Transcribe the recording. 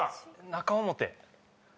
中表。